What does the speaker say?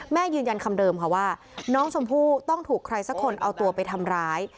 ยืนยันคำเดิมค่ะว่าน้องชมพู่ต้องถูกใครสักคนเอาตัวไปทำร้าย